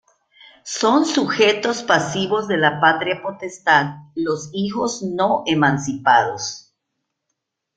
Son sujetos pasivos de la patria potestad: los hijos no emancipados.